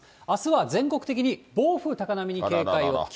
あすは全国的に暴風、高波に警戒を。